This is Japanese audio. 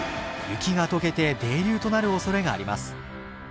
雪がとけて泥流となるおそれがあります。